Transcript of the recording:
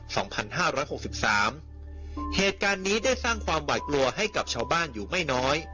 สองพันห้าร้อยหกสิบสามเหตุการณ์นี้ได้สร้างความหวาดกลัวให้กับชาวบ้านอยู่ไม่น้อย